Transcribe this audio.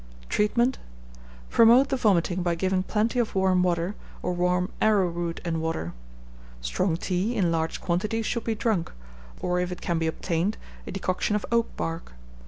Treatment. Promote the vomiting by giving plenty of warm water, or warm arrowroot and water. Strong tea, in large quantities, should be drunk; or, if it can be obtained, a decoction of oak bark.